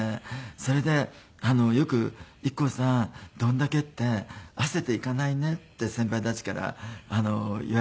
それでよく「ＩＫＫＯさん“どんだけ”ってあせていかないね」って先輩たちから言われるんですけどね。